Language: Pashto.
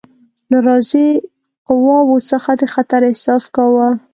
ناراضي قواوو څخه د خطر احساس کاوه.